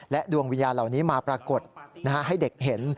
ดวงวิญญาณเหล่านี้มาปรากฏให้เด็กเห็น